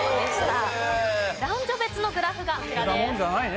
男女別のグラフがこちらです。